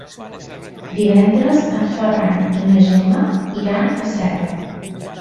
Divendres en Ferran i na Gemma iran a Serra.